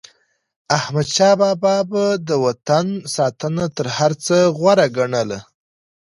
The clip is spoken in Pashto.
احمدشاه بابا به د وطن ساتنه تر هر څه غوره ګڼله.